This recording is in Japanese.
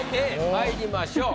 まいりましょう。